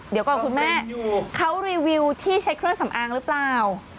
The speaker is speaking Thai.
เดี๋ยวก่อนคุณแม่เขารีวิวที่ใช้เครื่องสำอางหรือเปล่า